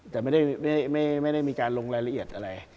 แต่ไม่ได้มีการลงรายละเอียดอะไร